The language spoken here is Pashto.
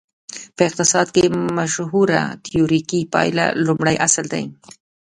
په اقتصاد کې مشهوره تیوریکي پایله لومړی اصل دی.